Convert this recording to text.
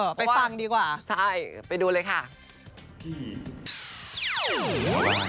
ไปฟังดีกว่าใช่ไปดูเลยค่ะ